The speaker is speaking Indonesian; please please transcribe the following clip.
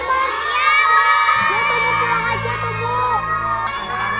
ya tolong pulang aja tuh bu